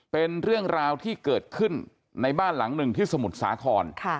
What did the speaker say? เป็นเรื่องราวที่เกิดขึ้นในบ้านหลังหนึ่งที่สมุทรสาคร